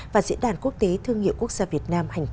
và diễn đàn quốc tế thương hiệu quốc gia việt nam hành hai mươi bốn